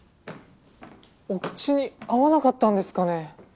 お口に合わなかったんですかね？